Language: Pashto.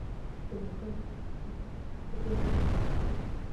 د باختر د طلایی تپې د نړۍ تر ټولو لوی لرغوني قبرستان دی